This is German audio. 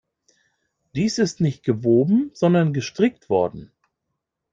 Dies ist nicht gewoben, sondern gestrickt worden.